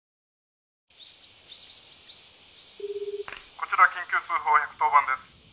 「こちら緊急通報１１０番です」